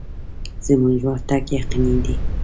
زموږ ورتګ یقیني دی.